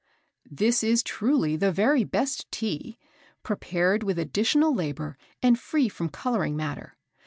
This is truly the very best Tea, prepared with additional labour and free from colouring matter.